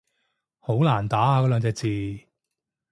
好難打啊嗰兩隻字